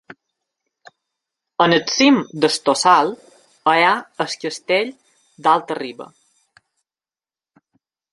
Al cim del tossal hi ha el Castell d'Alta-riba.